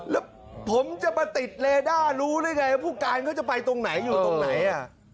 แล้วผมจะมาติดเลด้ารู้ได้ไงว่าผู้การเขาจะไปตรงไหนอยู่ตรงไหน